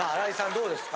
どうですか？